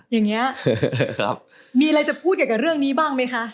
อย่างเงี้ยมีอะไรจะพูดกับเรื่องนี้บ้างมั้ยคะ